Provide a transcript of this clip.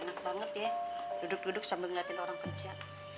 enak banget ya duduk duduk sambil ngeliatin orang kerja